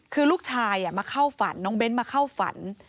คือลูกชายมาเข้าฝันน้องเบ้นมาเข้าฝัน